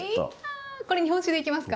これ日本酒でいきますか。